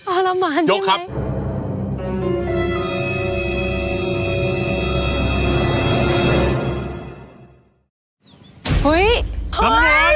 เอาละมันยกครับเอาละมันได้ไหม